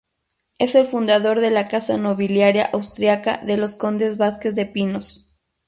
Es el fundador de la casa nobiliaria austríaca de los condes Vasquez de Pinos.